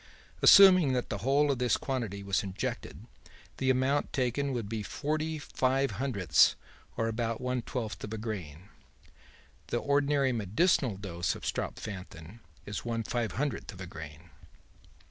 Assuming that the whole of this quantity was injected the amount taken would be forty five hundredths, or about one twelfth of a grain. The ordinary medicinal dose of strophanthin is one five hundredth of a grain.